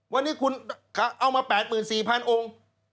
วันนี้คุณเอามา๘๔๐๐องค์